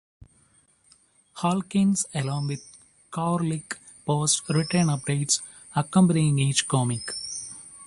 Holkins, along with Krahulik, posts written updates accompanying each comic.